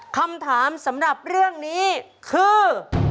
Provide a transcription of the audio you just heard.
คำถามสำหรับเรื่องนี้คือ